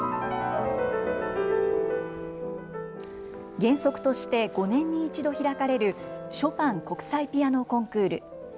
原則として５年に１度開かれるショパン国際ピアノコンクール。